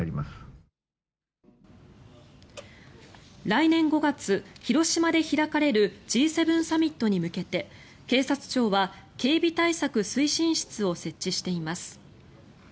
来年５月、広島で開かれるＧ７サミットに向けて警察庁は警備対策推進室を設置しています。